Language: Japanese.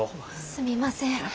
すみません。